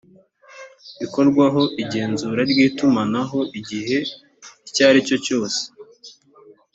ikorwaho igenzura ry itumanaho igihe icyo ari cyo cyose